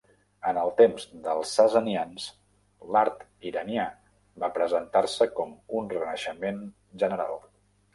En el temps dels Sasanians, l'art iranià va presentar-se com un renaixement general.